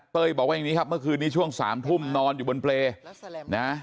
บอกว่าอย่างนี้ครับเมื่อคืนนี้ช่วง๓ทุ่มนอนอยู่บนเปรย์นะ